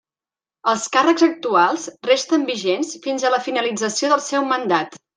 Els càrrecs actuals resten vigents fins a la finalització del seu mandat.